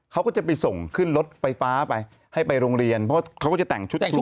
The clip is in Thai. เขาก็จะไปส่งขึ้นรถไฟฟ้าไปให้ไปโรงเรียนเพราะเขาก็จะแต่งชุดครู